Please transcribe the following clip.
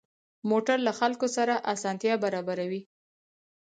موټر له خلکو سره اسانتیا برابروي.